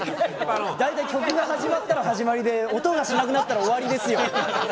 大体曲が始まったら始まりで音がしなくなったら終わりですよ。